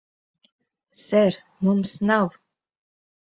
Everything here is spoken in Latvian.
Ser, mums nav...